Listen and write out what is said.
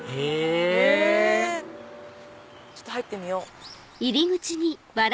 へぇちょっと入ってみよう。